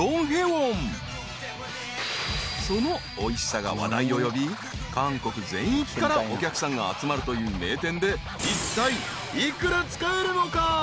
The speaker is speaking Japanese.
［そのおいしさが話題を呼び韓国全域からお客さんが集まるという名店でいったい幾ら使えるのか？］